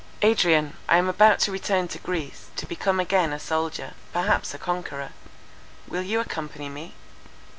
"Adrian, I am about to return to Greece, to become again a soldier, perhaps a conqueror. Will you accompany me?